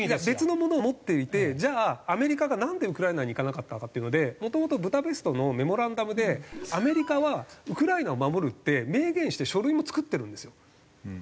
別のものを持っていてじゃあアメリカがなんでウクライナに行かなかったのかっていうのでもともとブダペストのメモランダムでアメリカはウクライナを守るって明言して書類も作ってるんですよ。